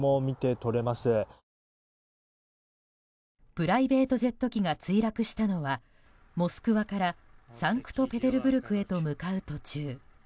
プライベートジェット機が墜落したのはモスクワからサンクトペテルブルクへと向かう途中。